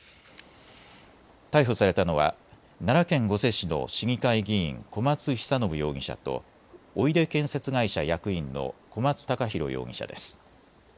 逮捕されたのは奈良県御所市の市議会議員、小松久展容疑者とおいで建設会社役員の小松隆浩容疑者です。